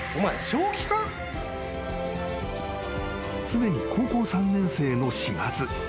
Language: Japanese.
［すでに高校３年生の４月］